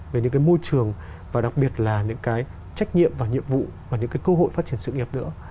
về những cái môi trường và đặc biệt là những cái trách nhiệm và nhiệm vụ và những cái cơ hội phát triển sự nghiệp nữa